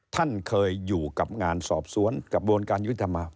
ท่านเคยอยู่กับงานสอบสวนกระบวนการยุทธมา